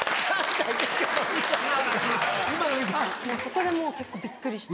そこでもう結構びっくりして。